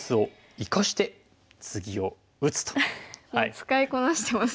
もう使いこなしてますね。